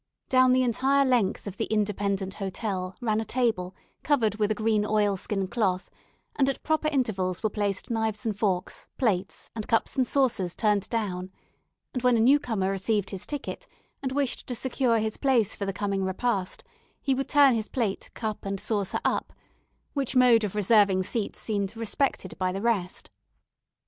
Down the entire length of the Independent Hotel ran a table covered with a green oilskin cloth, and at proper intervals were placed knives and forks, plates, and cups and saucers turned down; and when a new comer received his ticket, and wished to secure his place for the coming repast, he would turn his plate, cup, and saucer up; which mode of reserving seats seemed respected by the rest.